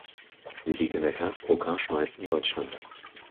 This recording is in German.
Sie liegt in der Hersbrucker Schweiz in Deutschland.